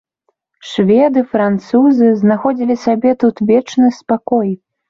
Шведы, французы знаходзілі сабе тут вечны спакой.